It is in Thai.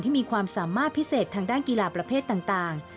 มีความสามารถพิเศษทางด้านกีฬาประเภทต่าง